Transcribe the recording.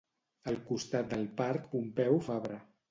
Al costat del parc Pompeu Fabra